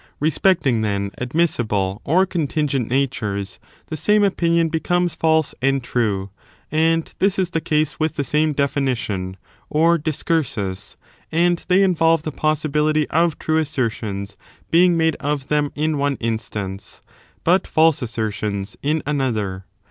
Respecting, then, admissible or contingent natures, the same opinion becomes Mae and true; and this is the case with the same definition, or discursus : and they involve the possibility of true assertions being made of them in one instance, but &lse assertions in another.